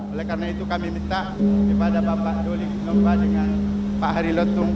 oleh karena itu kami minta kepada bapak doli kunomba dengan pak hari letung